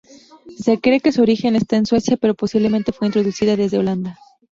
Se cree que su origen está en Suecia, pero posiblemente fue introducida desde Holanda.